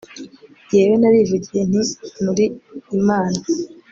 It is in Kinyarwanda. jyewe narivugiye nti 'muri imana